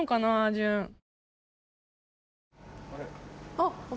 あっ！